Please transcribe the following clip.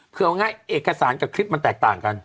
เพื่อเอาง่ายเอกสารกับคลิปมันแตกต่างกัน